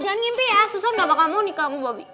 jangan ngimpi ya susah nggak bakal mau nikah sama bobi